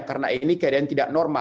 karena ini keadaan yang terjadi di jakarta